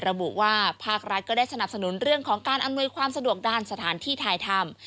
ระบุว่าภาครัฐก็ได้สนับสนุนเรื่องของการอำนวยความสะดวกด้านสถานที่ถ่ายทำ